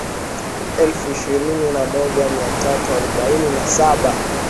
elfu ishirini na moja mia tatu arobaini na saba